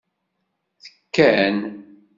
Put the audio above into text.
Tekkan.